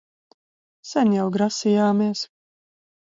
Sen jau grasījāmies...